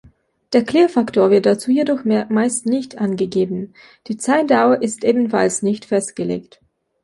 Der Klirrfaktor wird dazu jedoch meist nicht angegeben, die Zeitdauer ist ebenfalls nicht festgelegt.